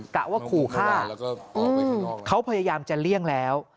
กะว่าขู่ฆ่าเขาพยายามจะเลี่ยงแล้ว